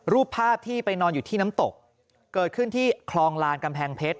รูปภาพที่ไปนอนอยู่ที่น้ำตกเกิดขึ้นที่คลองลานกำแพงเพชร